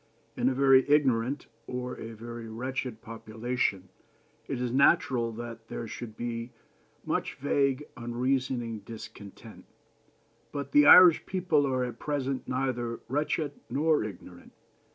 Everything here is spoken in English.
In a very ignorant or a very wretched population it is natural that there should be much vague, unreasoning discontent; but the Irish people are at present neither wretched nor ignorant.